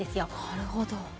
なるほど。